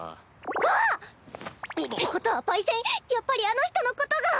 あっ！ってことはパイセンやっぱりあの人のことが。